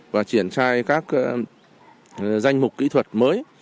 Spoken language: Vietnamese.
và triển trai các danh mục kỹ thuật mới